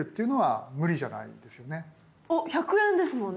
１００円ですもんね。